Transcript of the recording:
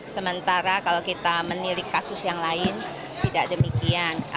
sementara kalau kita menilik kasus yang lain tidak demikian